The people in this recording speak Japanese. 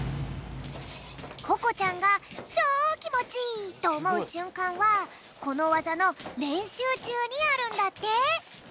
ここちゃんがチョーきもちいいとおもうしゅんかんはこのわざのれんしゅうちゅうにあるんだって。